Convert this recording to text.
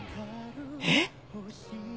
えっ！